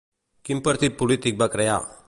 Quin partit polític va crear?